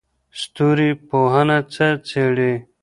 ستوري پوهنه څه څېړي؟